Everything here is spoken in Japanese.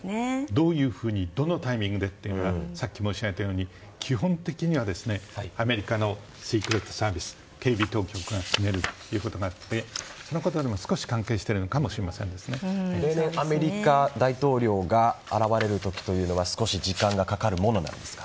どういうふうにどのタイミングでっていうのがさっきも申しあげたように基本的にはアメリカのシークレットサービス警備当局が決めるということもあってそのことにも例年、アメリカ大統領が現れる時というのは少し時間がかかるものなんですか。